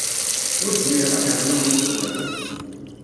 Ur zmireɣ ad rnuɣ nnig waya.